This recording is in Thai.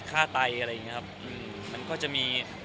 ค่าไตอะไรอย่างนี้ครับ